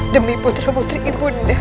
demi putra putri ibu nanda